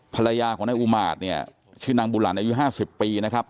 ภรรยาของนายอุมารชื่อนางบุรรณอายุ๕๐ปีนะครับ